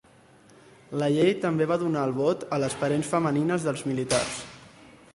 La llei també va donar el vot a les parents femenines dels militars.